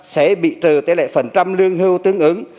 sẽ bị trừ tỷ lệ phần trăm lương hưu tương ứng